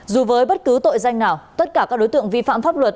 dù với bất cứ tội danh nào tất cả các đối tượng vi phạm pháp luật